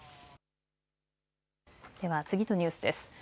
では次のニュースです。